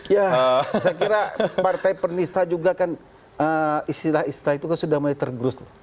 ya saya kira partai pernista juga kan istilah istilah itu kan sudah mulai tergerus loh